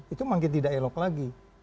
itu makin tidak elok lagi